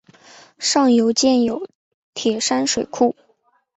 上游建有铁山水库。